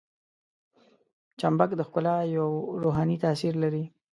چمبک د ښکلا یو روحاني تاثیر لري.